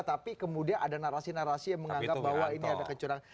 tapi kemudian ada narasi narasi yang menganggap bahwa ini ada kecurangan